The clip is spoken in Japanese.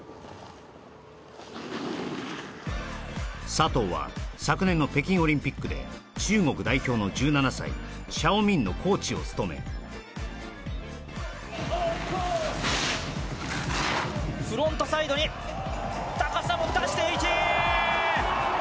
佐藤は昨年の北京オリンピックで中国代表の１７歳シャオミンのコーチを務めフロントサイドに高さも出して１８００！